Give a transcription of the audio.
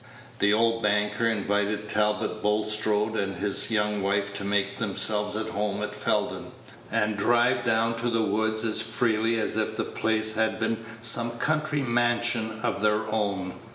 The old banker invited Talbot Bulstrode and his young wife to make themselves at home at Felden, and drive down to the Woods as freely as if the place had been some country mansion of their own.